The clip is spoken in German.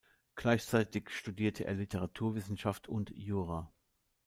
Gleichzeitig studierte er Literaturwissenschaft und Jura.